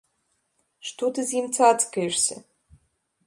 Што ты з ім цацкаешся?